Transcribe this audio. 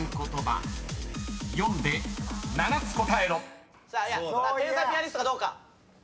天才ピアニストがどうか。